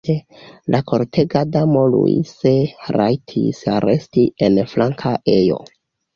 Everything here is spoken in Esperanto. La kortega damo Luise rajtis resti en flanka ejo.